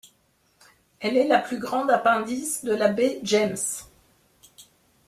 Elle est la plus grande appendice de la baie James.